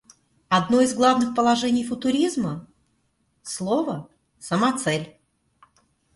Одно из главных положений футуризма — «слово — самоцель».